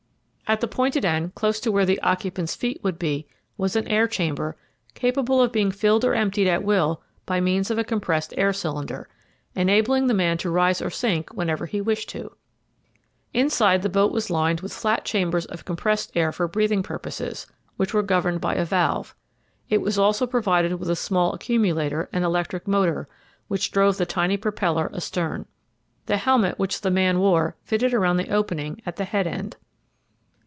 At the pointed end, close to where the occupant's feet would be, was an air chamber capable of being filled or emptied at will by means of a compressed air cylinder, enabling the man to rise or sink whenever he wished to. Inside, the boat was lined with flat chambers of compressed air for breathing purposes, which were governed by a valve. It was also provided with a small accumulator and electric motor which drove the tiny propeller astern. The helmet which the man wore fitted around the opening at the head end.